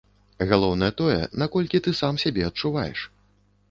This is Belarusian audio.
Галоўнае тое, наколькі ты сам сябе адчуваеш.